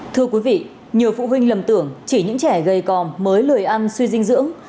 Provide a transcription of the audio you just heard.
thưa quý vị nhiều phụ huynh lầm tưởng chỉ những trẻ gầy còm mới lười ăn suy dinh dưỡng